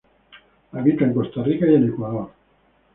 Habita en Costa Rica y en Ecuador.